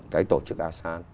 cái tổ chức asean